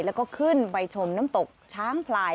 แล้วก็ขึ้นไปชมน้ำตกช้างพลาย